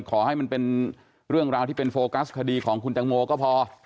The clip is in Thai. ขอให้มันเป็นเรื่องราวที่เป็นโฟกัสคดีของคุณตังโมก็พอ